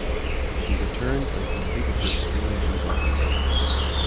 She returned and completed her schooling in Gothenburg.